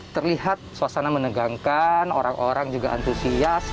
terlihat suasana menegangkan orang orang juga antusias